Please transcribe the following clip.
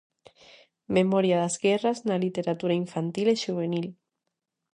Memoria das guerras na literatura infantil e xuvenil.